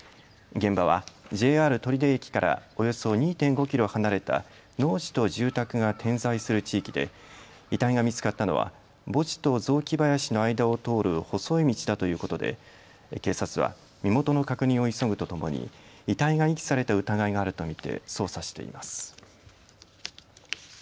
現場はＪＲ取手駅からおよそ２．５キロ離れた農地と住宅が点在する地域で遺体が見つかったのは墓地と雑木林の間を通る細い道だということで警察は身元の確認を急ぐとともに遺体が遺棄された疑いがあると見て捜査しています。